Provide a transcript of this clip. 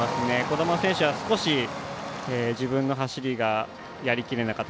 兒玉選手は少し自分の走りがやりきれなかった。